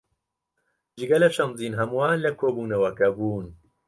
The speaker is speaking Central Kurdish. جگە لە شەمزین هەمووان لە کۆبوونەوەکە بوون.